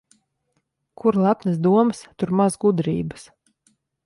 Kur lepnas domas, tur maz gudrības.